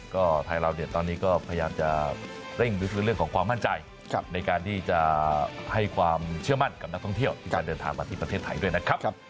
ก็ไทยเราเนี่ยตอนนี้ก็พยายามจะเร่งลึกในเรื่องของความมั่นใจในการที่จะให้ความเชื่อมั่นกับนักท่องเที่ยวในการเดินทางมาที่ประเทศไทยด้วยนะครับ